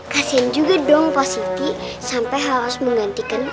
kasian juga dong pak siti sampai harus menggantikan